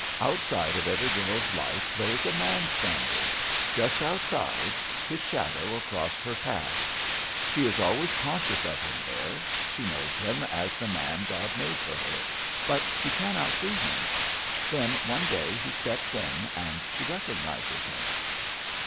"Outside of every girl's life there is a man standing — ^just outside, his shadow across her path. She is always con scious of him there; she knows him as the man God made for her, but she cannot see him. Then, one day, he steps in and she rec ognizes him."